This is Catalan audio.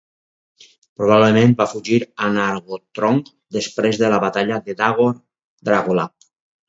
Probablement va fugir a Nargothrond després de la batalla de Dagor Bragollach.